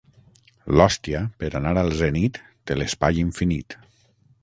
L’hòstia, per anar al zenit, té l’espai infinit.